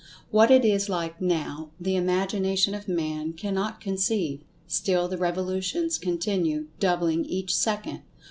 What it is like now, the imagination of Man cannot conceive. Still the revolutions continue, doubling each second.